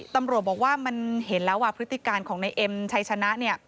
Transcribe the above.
ตำรวจบอกว่ามันเห็นแล้วว่าพฤติการของในเอ็มชัยชนะ